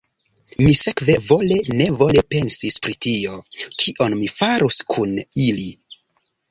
Mi sekve vole-nevole pensis pri tio, kion mi farus kun ili.